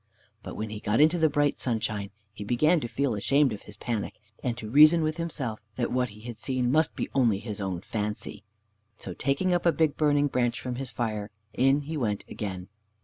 But when he got into the bright sunshine he began to feel ashamed of his panic, and to reason with himself that what he had seen must be only his own fancy. So, taking up a big burning branch from his fire, in he went again.